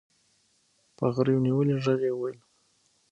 په غريو نيولي ږغ يې وويل.